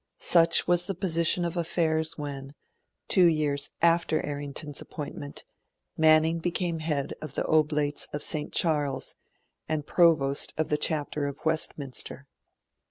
Such was the position of affairs when, two years after Errington's appointment, Manning became head of the Oblates of St. Charles and Provost of the Chapter of Westminster.